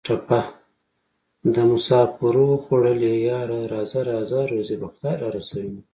ټپه ده: مسافرو خوړلیه یاره راځه راځه روزي به خدای را رسوینه